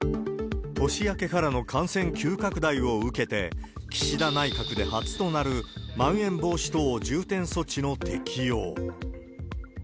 年明けからの感染急拡大を受けて、岸田内閣で初となるまん延防止等重点措置の適用。